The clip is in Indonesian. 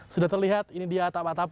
sudah terlihat ini dia atap atap